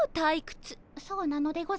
そうなのでございますか？